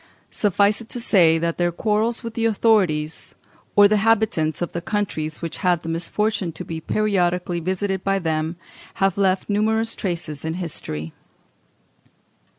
Suffice it to say that their quarrels with the authorities, or the inhabitants of the countries which had the misfortune to be periodically visited by them, have left numerous traces in history.